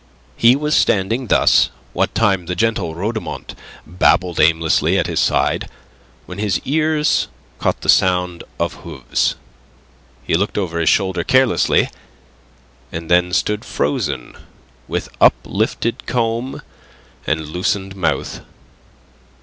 He was standing thus, the gentle Rhodomont babbled aimlessly at his side, when his ears caught the sound of hooves. He looked over his shoulder carelessly, and then stood frozen, with uplifted comb and loosened mouth.